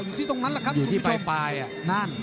อยู่ที่ตรงนั้นล่ะครับคุณผู้ชม